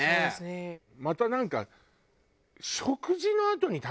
またなんか。